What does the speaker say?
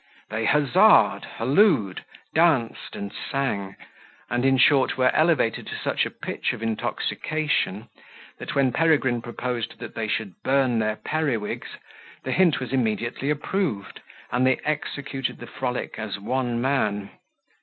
They huzzaed, hallooed, danced, and sang, and, in short, were elevated to such a pitch of intoxication, that when Peregrine proposed that they should burn their periwigs, the hint was immediately approved, and they executed the frolic as one man.